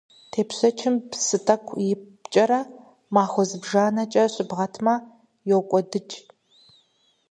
Тепщэчым псы тӀэкӀу ипкӀэрэ махуэ зыбжанэкӀэ щыбгъэтмэ, йокӀуэдыкӀ.